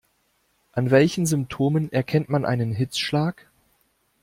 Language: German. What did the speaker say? An welchen Symptomen erkennt man einen Hitzschlag?